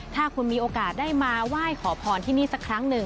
ถ้าคุณมีโอกาสได้มาไหว้ขอพรที่นี่สักครั้งหนึ่ง